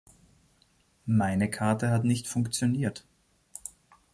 Meine Karte hat nicht funktioniert.